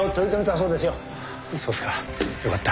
そうですか。よかった